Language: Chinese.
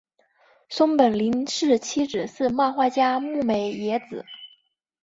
松本零士妻子是漫画家牧美也子。